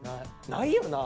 ないよな。